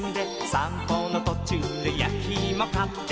「さんぽのとちゅうでやきいもかって」